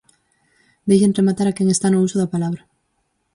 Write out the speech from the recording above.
Deixen rematar a quen está no uso da palabra.